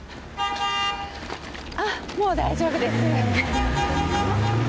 あっもう大丈夫です。